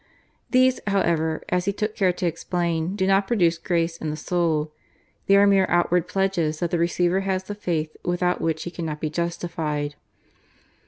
These, however, as he took care to explain, do not produce grace in the soul. They are mere outward pledges that the receiver has the faith without which he cannot be justified.